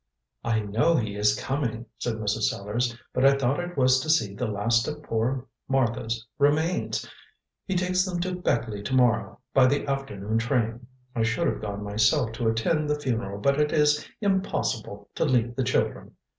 "I know he is coming," said Mrs. Sellars; "but I thought it was to see the last of poor Martha's remains. He takes them to Beckleigh to morrow by the afternoon train. I should have gone myself to attend the funeral, but it is impossible to leave the children."